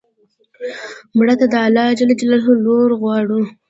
مړه ته د الله ج لور غواړو